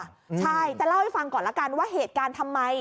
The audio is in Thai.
ใช่จะเล่าให้ฟังก่อนละกันว่าเหตุการณ์ทำไม